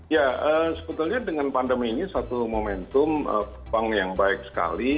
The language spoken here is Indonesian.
ya sebetulnya dengan pandemi ini satu momentum yang baik sekali